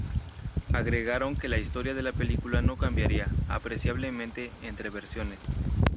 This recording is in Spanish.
Agregaron que la historia de la película no cambiaría "apreciablemente" entre versiones.